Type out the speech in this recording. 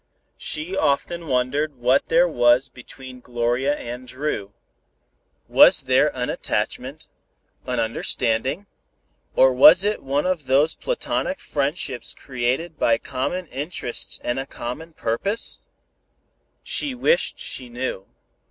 She often wondered what there was between Gloria and Dru. Was there an attachment, an understanding, or was it one of those platonic friendships created by common interests and a common purpose? She wished she knew.